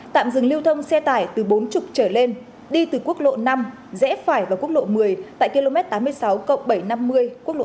tạm dừng lưu thông xe tải từ bốn mươi trở lên đi từ quốc lộ năm rẽ phải vào quốc lộ một mươi tại km tám mươi sáu bảy trăm năm mươi quốc lộ một